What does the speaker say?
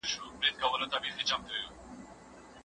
له شته طبیعي او بشري وسایلو څخه په سمه توګه کار واخلئ.